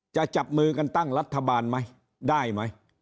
จะจับมือกันตั้งรัฐบาลไหมได้ไหม